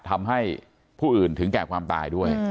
ทำให้ผู้อื่นถึงแก่ความตายด้วย